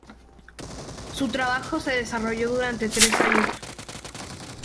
Su trabajo se desarrolló durante tres años.